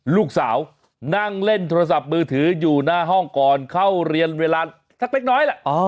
ลูกสาวนั่งเล่นโทรศัพท์มือถืออยู่หน้าห้องก่อนเข้าเรียนเวลาสักเล็กน้อยแหละ